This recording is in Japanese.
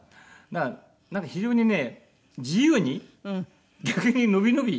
だからなんか非常にね自由に逆に伸び伸び。